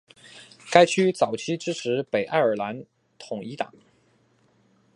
该区早期支持北爱尔兰统一党。